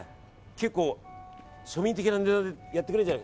結構庶民的な値段やってくれるんじゃ。